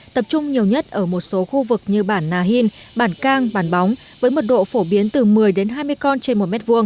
tập trung nhiều nhất ở một số khu vực như bản nà hìn bản cang bản bóng với mật độ phổ biến từ một mươi đến hai mươi con trên một m hai